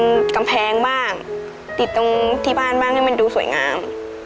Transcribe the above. กำแพงบ้างติดตรงที่บ้านบ้างให้มันดูสวยงาม